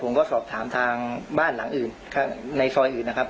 ผมก็สอบถามทางบ้านหลังอื่นในซอยอื่นนะครับ